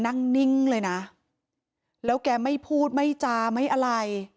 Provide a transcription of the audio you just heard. นิ่งเลยนะแล้วแกไม่พูดไม่จาไม่อะไร